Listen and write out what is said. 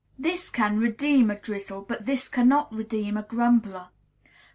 This can redeem a drizzle; but this cannot redeem a grumbler.